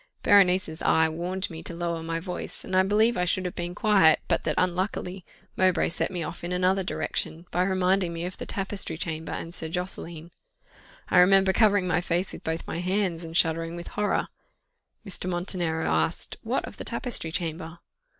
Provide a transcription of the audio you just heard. Berenice's eye warned me to lower my voice, and I believe I should have been quiet, but that unluckily, Mowbray set me off in another direction, by reminding me of the tapestry chamber and Sir Josseline. I remember covering my face with both my hands, and shuddering with horror. Mr. Montenero asked, "What of the tapestry chamber?"